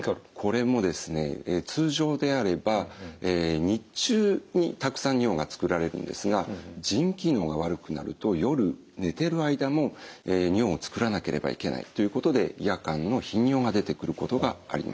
これもですね通常であれば日中にたくさん尿がつくられるんですが腎機能が悪くなると夜寝てる間も尿をつくらなければいけないということで夜間の頻尿が出てくることがあります。